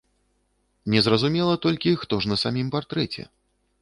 Незразумела толькі, хто ж на самім партрэце?